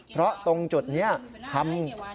เพราะตรงจุดนี้ทำ